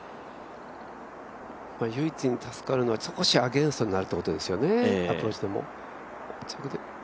唯一助かるのは少しアゲンストになるということですね、アプローチでも。